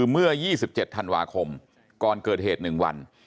เมื่อยี่สิบเจ็ดธันวาคมก่อนเกิดเหตุหนึ่งวัน